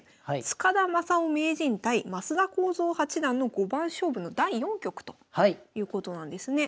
塚田正夫名人対升田幸三八段の五番勝負の第４局ということなんですね。